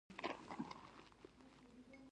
په لومړنیو او منځنیو پړاوونو کې جلا کمپاینونه جوړیږي.